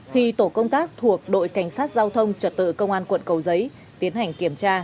thì tổ công tác thuộc đội cảnh sát giao thông trật tự công an quận cầu giấy tiến hành kiểm tra